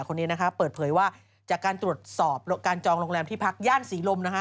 คนนี้นะคะเปิดเผยว่าจากการตรวจสอบการจองโรงแรมโรงที่พัก